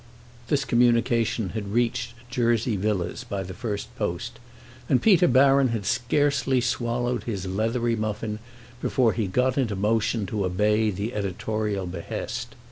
This communication had reached Jersey Villas by the first post, and Peter Baron had scarcely swallowed his leathery muffin before he got into motion to obey the editorial behest.